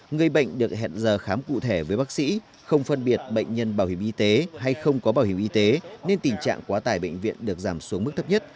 người bệnh được hẹn giờ khám cụ thể với bác sĩ không phân biệt bệnh nhân bảo hiểm y tế hay không có bảo hiểm y tế nên tình trạng quá tải bệnh viện được giảm xuống mức thấp nhất